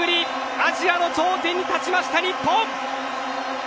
アジアの頂点に立ちました日本。